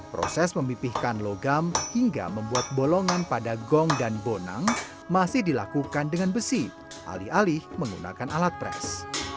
proses memipihkan logam hingga membuat bolongan pada gong dan bonang masih dilakukan dengan besi alih alih menggunakan alat pres